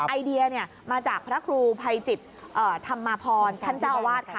ไอเดียมาจากพระครูภัยจิตธรรมาพรท่านเจ้าอาวาสค่ะ